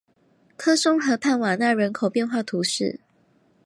科松河畔瓦讷人口变化图示